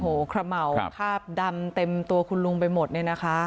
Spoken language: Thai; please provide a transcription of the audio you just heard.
โอ้โหขระเหมาคาบดำเต็มตัวคุณลุงไปหมดเนี่ยนะคะ